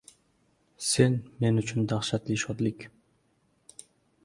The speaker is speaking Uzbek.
Sen – men uchun dahshatli shodlik